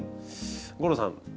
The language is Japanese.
吾郎さん